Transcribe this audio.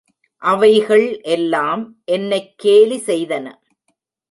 அவைகள் எல்லாம் என்னைக் கேலி செய்தன.